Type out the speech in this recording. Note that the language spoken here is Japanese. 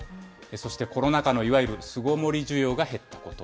そして、コロナ禍のいわゆる巣ごもり需要が減ったこと。